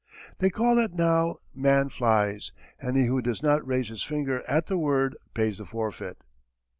They call it now 'Man flies!' and he who does not raise his finger at the word pays the forfeit."